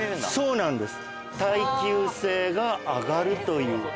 そうなんです。